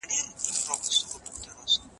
پرېږده جهاني د لحد مړو ته یې مه لیکه